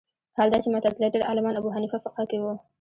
حال دا چې معتزله ډېر عالمان ابو حنیفه فقه کې وو